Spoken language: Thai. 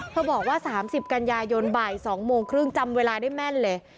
บอกว่า๓๐กันยายนบ่าย๒โมงครึ่งจำเวลาได้แม่นเลย